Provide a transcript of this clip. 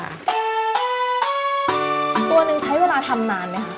ตัวหนึ่งใช้เวลาทำนานไหมคะ